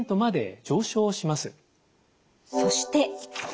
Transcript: そして。